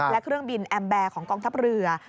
และเครื่องบินแอมแบร์ของกองทัพเรือ